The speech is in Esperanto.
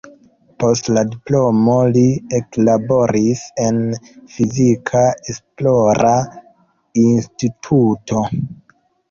Post la diplomo li eklaboris en fizika esplora instituto.